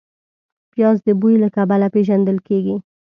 پیاز د بوی له کبله پېژندل کېږي